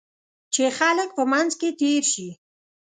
چې خلک په منځ کې تېر شي.